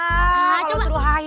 kalau suruh hai hai